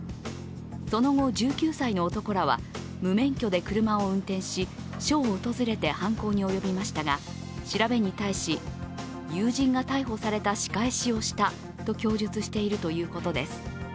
その後、１９歳の男らは無免許で車を運転し、署を訪れて犯行に及びましたが、調べに対し友人が逮捕された仕返しをしたと供述しているということです。